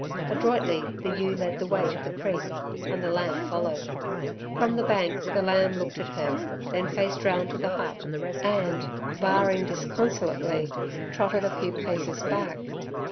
Adroitly the ewe led the way to the creek, and the lamb followed. From the bank the lamb looked at her, then faced round to the hut, and, baaing disconsolately, trotted a few paces back.